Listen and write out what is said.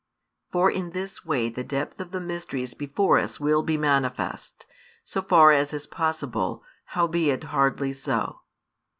For in this way the depth of the mysteries before us will be manifest, so far as is possible, howbeit hardly so.